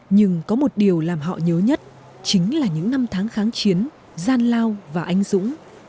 nhưng có một điều làm họ nhớ nhất chính là những năm tháng kháng chiến gian lao và anh dũng